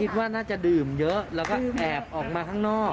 คิดว่าน่าจะดื่มเยอะแล้วก็แอบออกมาข้างนอก